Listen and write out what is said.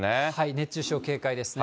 熱中症警戒ですね。